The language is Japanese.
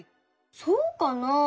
そうかな？